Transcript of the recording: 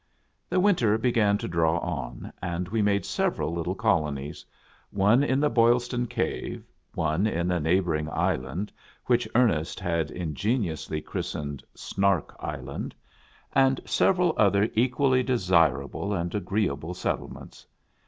The winter began to draw on, and we made several little colonies : one in the Boilstone Cave ; one in a neighboring island, which Ernest had ingeniously christened Snark Island ; and several other equally desirable and agreeable settlements.